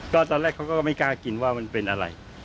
ก็ตอนแรกเขาก็ไม่กล้ากินว่ามันเป็นอะไร